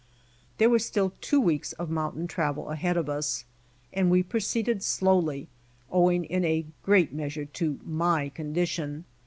There were still two weeks of mountain travel ahead of us, and we proceeded slowly owing in a great measure to my condition.